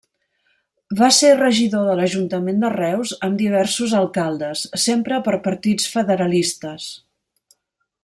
Va ser regidor de l'ajuntament de Reus amb diversos alcaldes, sempre per partits federalistes.